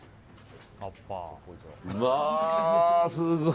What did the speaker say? うわあ、すごい。